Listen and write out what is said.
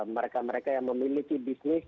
mereka mereka yang memiliki bisnis